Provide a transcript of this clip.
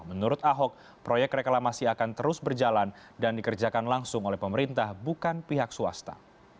menurut ahok proyek reklamasi akan terus berjalan dan dikerjakan langsung oleh pemerintah bukan pihak swasta